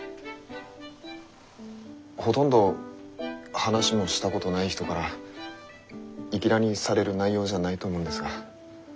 ほとんど話もしたことない人からいきなりされる内容じゃないと思うんですが。